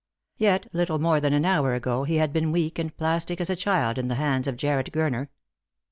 Yet little more than an hour ago he had been weak and plastic as a child in the hands of Javred Gurner.